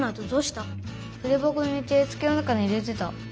ふでばこに入れてつくえの中に入れてた。